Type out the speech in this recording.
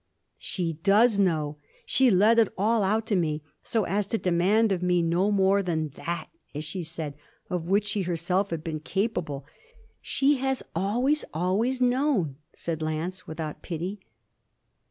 'She does know. She let it all out to me so as to demand of me no more than "that", as she said, of which she herself had been capable. She has always, always known,' said Lance without pity.